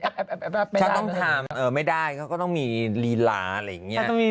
ข้าต้องถามไม่ได้มันก็ต้องมีลีลาอะไรอย่างนี้